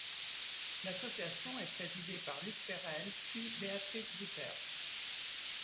L'association est présidée par Luc Perrel, puis Béatrice Vouters.